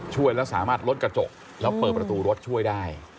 ช่วยแล้วสามารถลดกระจกแล้วเปิดประตูรถช่วยได้